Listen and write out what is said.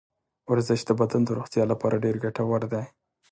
ورزش د بدن د روغتیا لپاره ډېر ګټور دی.